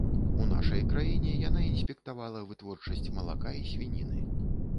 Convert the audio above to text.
У нашай краіне яна інспектавала вытворчасць малака і свініны.